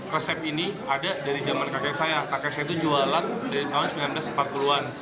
resep ini ada dari zaman kakek saya kakek saya itu jualan dari tahun seribu sembilan ratus empat puluh an